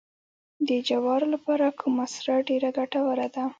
د جوارو لپاره کومه سره ډیره ګټوره ده؟